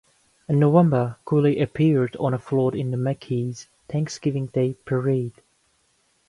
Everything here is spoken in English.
In November, Cooley appeared on a float in the Macy's Thanksgiving Day Parade.